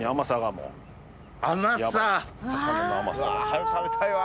早食べたいわ！